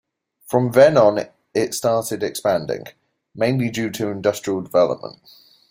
From then on it started expanding, mainly due to industrial development.